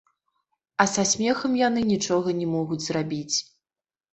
А са смехам яны нічога не могуць зрабіць.